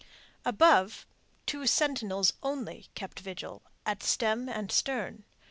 Above, two sentinels only kept vigil, at stem and stern.